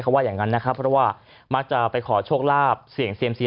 ว่าอย่างนั้นนะครับเพราะว่ามักจะไปขอโชคลาภเสี่ยงเซียมซี